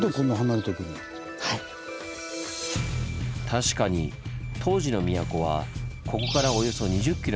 確かに当時の都はここからおよそ２０ｋｍも離れた飛鳥。